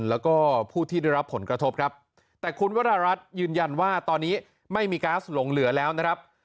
แล้วก็ผู้ที่ได้รับผลกระทบครับแต่คุณวรารัฐยืนยันว่าตอนนี้ไม่มีก๊าซหลงเหลือแล้วนะครับ